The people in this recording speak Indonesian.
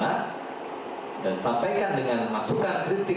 dan sampaikan dengan masukan kritik